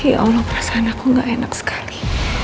ya allah perasaan aku gak enak sekali